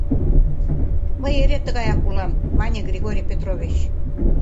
— Мый эре тыгаяк улам, мане Григорий Петрович.